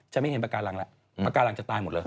ไม่เห็นปากการังแล้วปากการังจะตายหมดเลย